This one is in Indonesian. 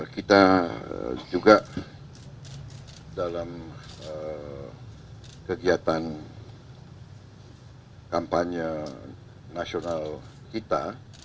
kita juga dalam kegiatan kampanye nasional kita